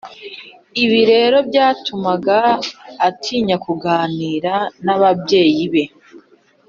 ibi rero byatumaga atinya kuganira n’ababyeyi be